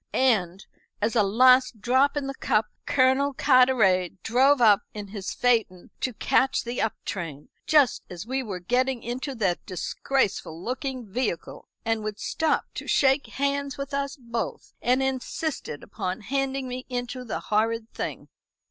And, as a last drop in the cup, Colonel Carteret drove up in his phaeton to catch the up train just as we were getting into that disgraceful looking vehicle, and would stop to shake hands with us both, and insisted upon handing me into the horrid thing."